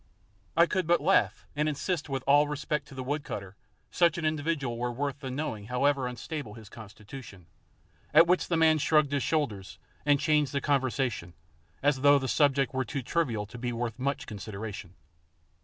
I could but laugh and insist, with all respect to the woodcutter, such an individual were worth the knowing however unstable his constitution; at which the man shrugged his shoulders and changed the conversation, as though the subject were too trivial to be worth much consideration.